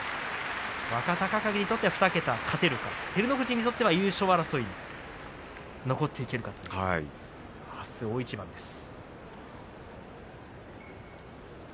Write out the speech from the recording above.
若隆景にとっては２桁勝てるか照ノ富士にとっては優勝争い残っていけるか、あす大一番です。